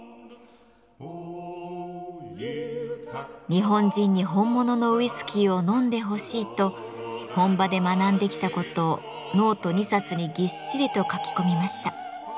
「日本人に本物のウイスキーを飲んでほしい」と本場で学んできたことをノート２冊にぎっしりと書き込みました。